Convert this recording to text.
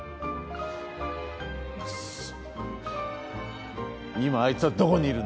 くそ今あいつはどこにいるんだ？